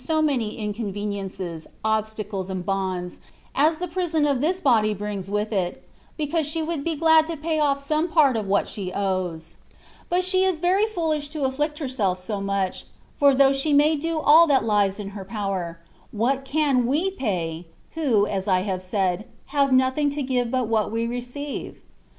THE WAY OF PERFECTION. 165 80 many inconveniences^ obstacles^ and bonds^ as the prison of this body brings with it, because she would be glad to pay oflf some part of what she owes. But she is very fooUsh to afflict herself so much ; for though she may do aU that Ues in her power, what can we pay, who, as I have said, have nothing to give but what we receive?